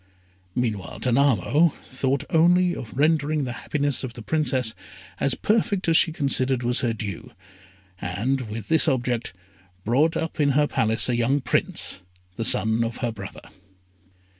Meanwhile, Danamo thought only of rendering the happiness of the Princess as perfect as she considered was her due, and, with this object, brought up in her palace a young Prince, the son of her brother.